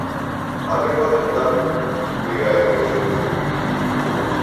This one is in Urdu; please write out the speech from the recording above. آپ نے بہت عمدہ پیراۓ میں زندگی کی حقیقتوں کو بیان کیا ہے۔